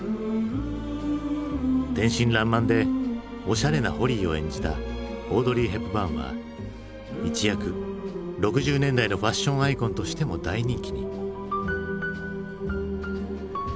天真らんまんでおしゃれなホリーを演じたオードリー・ヘプバーンは一躍６０年代のファッションアイコンとしても大人気に。